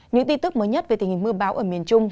những tin tức mới nhất về tình hình mưa báo ở miền trung